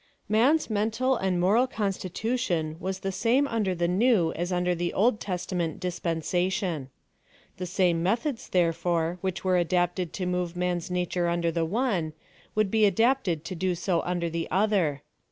Man's mental and moral constitution was the same under the New as under the Old Testament dispensation. The same methods, therefore, whic?i were adapted to move man's nature under the one, would be adapted to do so under the other.